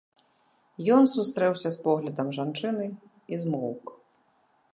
Ён сустрэўся з поглядам жанчыны і змоўк.